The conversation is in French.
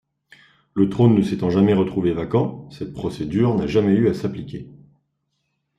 Le trône ne s'étant jamais retrouvé vacant, cette procédure n'a jamais eu à s'appliquer.